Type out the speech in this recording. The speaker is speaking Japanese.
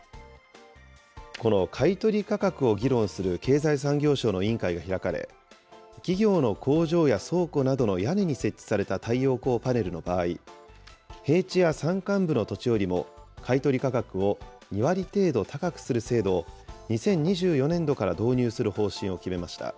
この買い取り価格を議論する経済産業省の委員会が開かれ、企業の工場や倉庫などの屋根に設置された太陽光パネルの場合、平地や山間部の土地よりも、買い取り価格を２割程度高くする制度を、２０２４年度から導入する方針を決めました。